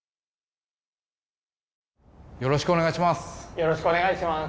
よろしくお願いします！